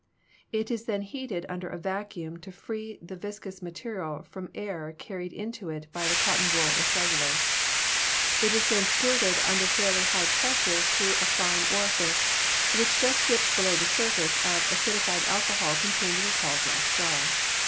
It is then heated under a vacuum to free the vis cous material from air carried into it by the cotton wool or cellulose. It is then squirted under fairly high pres sure through a fine orifice, which just dips below the sur face of acidified alcohol contained in a tall glass jar.